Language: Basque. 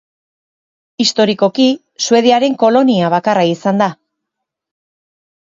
Historikoki, Suediaren kolonia bakarra izan da.